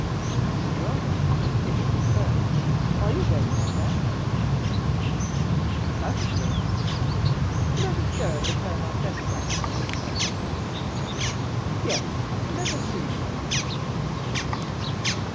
"Well, then, if it be so, are you ready, Albert?" "Perfectly." "Let us go and return our best thanks for his courtesy." "Yes, let us do so."